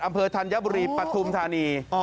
อำเภอธัญบุรีประทุมธานี